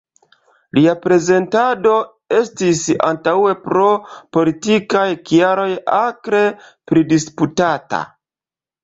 Lia prezentado estis antaŭe pro politikaj kialoj akre pridisputata.